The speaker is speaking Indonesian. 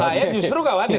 saya justru khawatir